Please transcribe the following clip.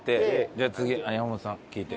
じゃあ次山本さん聞いて。